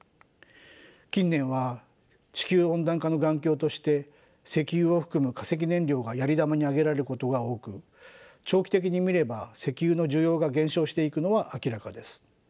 近年は地球温暖化の元凶として石油を含む化石燃料がやり玉に挙げられることが多く長期的に見れば石油の需要が減少していくのは明らかです。